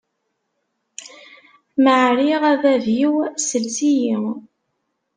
Ma ɛriɣ a bab-iw, ssels-iyi!